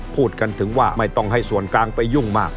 พูดกันถึงว่าไม่ต้องให้ส่วนกลางไปยุ่งมาก